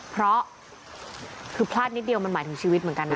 เพราะคือพลาดนิดเดียวมันหมายถึงชีวิตเหมือนกันนะ